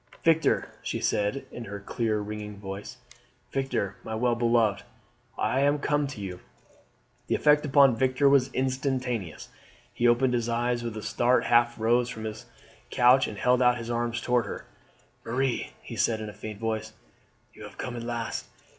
"Victor," she said in her clear ringing voice, "Victor, my well beloved, I am come to you." The effect upon Victor was instantaneous. He opened his eyes with a start, half rose from his couch and held out his arms towards her. "Marie," he said in a faint voice, "you have come at last.